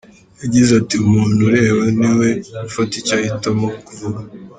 Yagize ati “Umuntu ureba ni we ufata icyo ahitamo kuvuga.